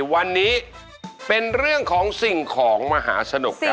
วันนี้เป็นเรื่องของสิ่งของมหาสนุกครับ